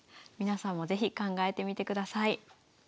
皆さんも是非考えてみてください。